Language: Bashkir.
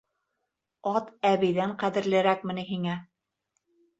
Ат әбейҙән ҡәҙерлерәкме ни һиңә?